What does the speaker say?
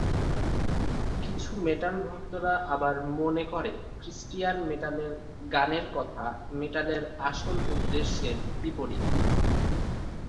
কিছু মেটাল ভক্তরা আবার মনে করে ক্রিস্টিয়ান মেটালের গানের কথা মেটালের আসল উদ্দেশ্যের বিপরীত।